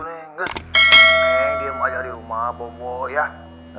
si neng mau aja di rumah bobo ya